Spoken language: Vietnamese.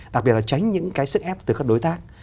đặc biệt là tránh những cái sức ép từ các đối tác